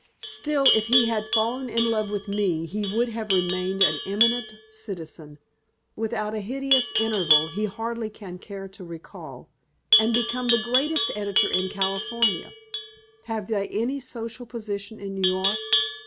Still, if he had fallen in love with me he would have remained an eminent citizen without a hideous interval he hardly can care to recall and become the greatest editor in California. Have they any social position in New York?"